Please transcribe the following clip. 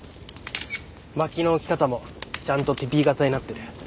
まきの置き方もちゃんとティピー型になってる。